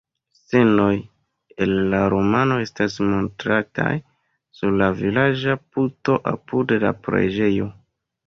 Scenoj el la romano estas montrataj sur la vilaĝa puto apud la preĝejo.